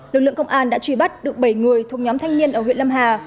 lực lượng công an đã truy bắt được bảy người thuộc nhóm thanh niên ở huyện lâm hà